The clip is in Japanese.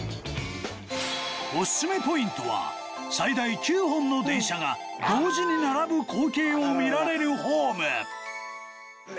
オススメポイントは最大９本の電車が同時に並ぶ光景を見られるホーム。